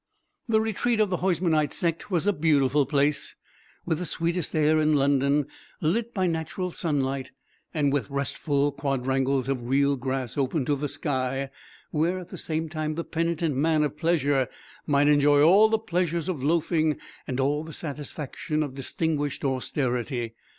The retreat of the Huysmanite sect was a beautiful place, with the sweetest air in London, lit by natural sunlight, and with restful quadrangles of real grass open to the sky, where at the same time the penitent man of pleasure might enjoy all the pleasures of loafing and all the satisfaction of distinguished austerity.